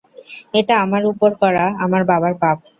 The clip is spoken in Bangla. “এটা আমার উপর করা আমার বাবার পাপ